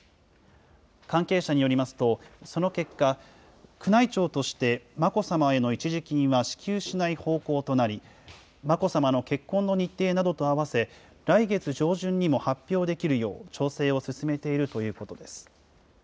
関係者によりますと、その結果、宮内庁として眞子さまへの一時金は支給しない方向となり、眞子さまの結婚の日程などと併せ、来月上旬にも発表できるよう、調整を進めているということです。